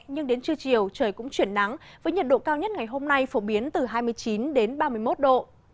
nhưng đến trưa chiều trời cũng chuyển nắng với nhiệt độ cao nhất ngày hôm nay phổ biến từ hai mươi chín đến ba mươi một độ